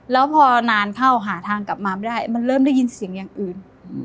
แล้วพอนานเข้าหาทางกลับมาไม่ได้มันเริ่มได้ยินเสียงอย่างอื่น